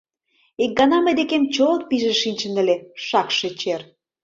Ик гана мый декем чо-от пижын шинчын ыле, шакше чер!